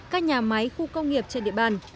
các nhà máy khu công nghiệp trên địa bàn